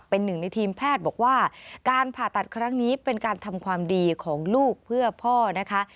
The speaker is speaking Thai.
เป็นหนึ่งในทีมแพทย์บอกว่าการผ่าตัดครั้งนี้เป็นการทำความดีของลูกเพื่อพ่อนะคะ